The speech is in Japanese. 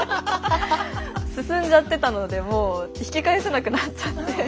進んじゃってたのでもう引き返せなくなっちゃって。